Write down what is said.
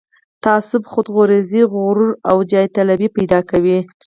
تعصب، خودغرضي، غرور او جاه طلبي پيدا کوي.